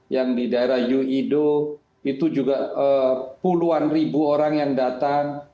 yang di daerah uido itu juga puluhan ribu orang yang datang